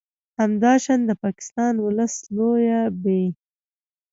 همداشان د پاکستان ولس لویه ب